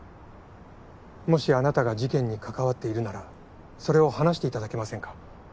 もしあなたが事件に関わっているならそれを話していただけませんか？